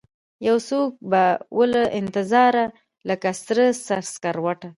یوڅوک به ووله انتظاره لکه سره سکروټه